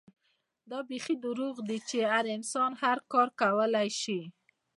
دا بيخي دروغ دي چې هر انسان هر کار کولے شي